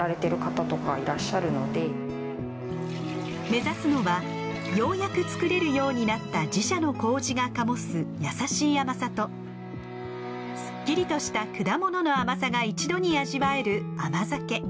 目指すのはようやく作れるようになった自社の糀が醸す優しい甘さとすっきりとした果物の甘さが一度に味わえる甘酒。